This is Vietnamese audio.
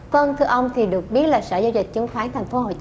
vâng thưa ông thì được biết là sở giao dịch chứng khoán thành phố hồ chí minh